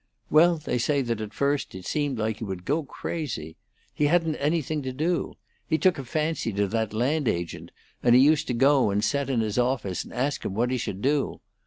Well, they say that at first he seemed like he would go crazy. He hadn't anything to do. He took a fancy to that land agent, and he used to go and set in his office and ask him what he should do.